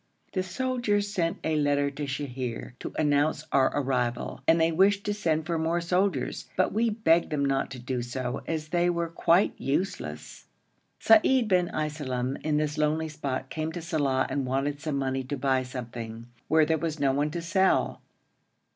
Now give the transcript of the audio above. The soldiers sent a letter to Sheher to announce our arrival, and they wished to send for more soldiers, but we begged them not to do so, as they were quite useless. Seid bin Iselem in this lonely spot came to Saleh and wanted some money to buy something, where there was no one to sell.